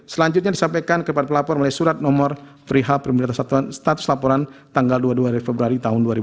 selanjutnya disampaikan kepada pelapor melalui surat nomor perihal pemerintah status laporan tanggal dua puluh dua februari tahun dua ribu dua puluh